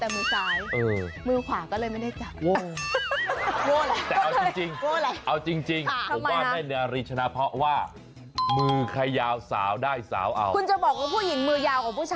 เพราะเขาจับแต่มือซ้ายก็เลยมือขวก็ไม่ได้จับ